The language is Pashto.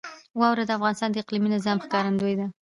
واوره د افغانستان د اقلیمي نظام ښکارندوی ده.